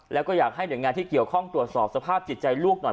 แล้วก็อยากให้หน่วยงานที่เกี่ยวข้องตรวจสอบสภาพจิตใจลูกหน่อย